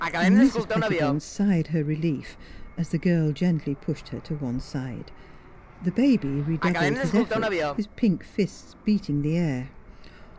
Mrs. Pettibone sighed her relief as the girl gently pushed her to one side. The baby re doubled his efforts, his pink fists beating the air.